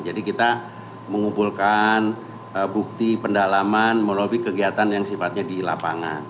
jadi kita mengumpulkan bukti pendalaman melalui kegiatan yang sifatnya dilapangan